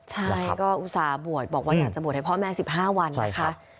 ใช่ก็อุตส่าห์บวชบอกว่าอยากจะบวชให้พ่อแม่๑๕วันนะคะ